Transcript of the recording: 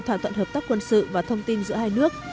thỏa thuận hợp tác quân sự và thông tin giữa hai nước